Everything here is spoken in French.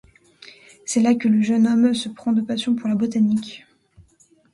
C'est là que le jeune homme se prend de passion pour la botanique.